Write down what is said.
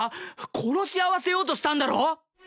殺し合わせようとしたんだろ！